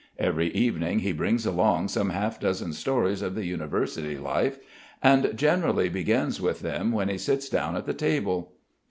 Every evening he brings along some half dozen stories of the university life and generally begins with them when he sits down at the table.